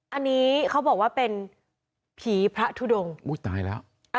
อันนี้เขาบอกว่าเป็นผีพระทุดงอุ้ยตายแล้ว